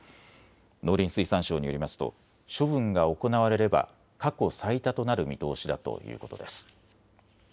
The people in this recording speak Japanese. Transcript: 農林水産省によりますと処分が行われれば過去最多となる見通しだということです。